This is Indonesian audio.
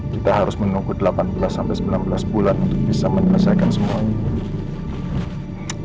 kita harus menunggu delapan belas sampai sembilan belas bulan untuk bisa menyelesaikan semuanya